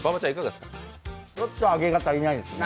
ちょっと揚げが足りないですね。